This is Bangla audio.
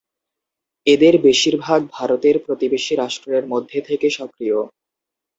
এদের বেশিরভাগ ভারতের প্রতিবেশী রাষ্ট্রের মধ্যে থেকে সক্রিয়।